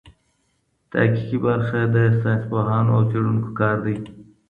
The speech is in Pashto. تحقیقي برخه د ساینس پوهانو او څېړونکو کار دئ.